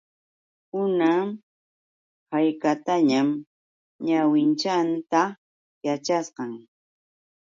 Unay haykatañam ñawinchayta yachashqam.